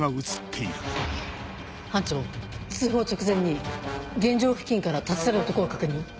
班長通報直前に現場付近から立ち去る男を確認。